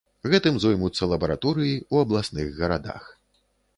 Гэтым зоймуцца лабараторыі ў абласных гарадах.